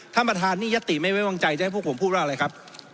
ท่านประธานนี่ยัตติไม่ไว้วางใจจะให้พวกผมพูดว่าอะไรครับ